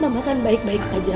mama akan baik baik saja